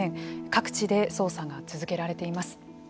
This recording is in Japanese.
各地で捜査が続けられています。